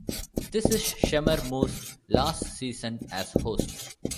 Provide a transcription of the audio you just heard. This is Shemar Moore's last season as host.